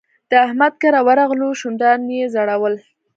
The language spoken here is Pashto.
د احمد کره ورغلو؛ شونډان يې ځړول.